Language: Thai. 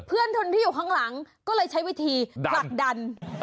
เพื่อนคนที่อยู่ข้างหลังก็เลยใช้วิธีผลักดัน